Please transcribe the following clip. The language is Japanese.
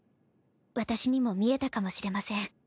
私にも見えたかもしれません。